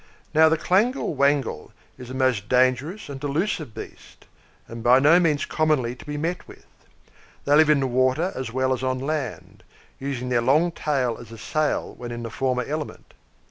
(Now, the Clangle Wangle is a most dangerous and delusive beast, and by no means commonly to be met with. They live in the water as well as on land, using their long tail as a sail when in the former element.